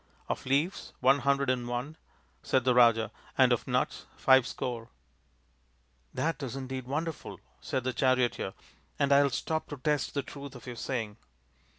" Of leaves, one hundred and one," said the Raja, " and of nuts five score." " That is indeed wonderful," said the charioteer, " and I will stop to test the truth of your saying."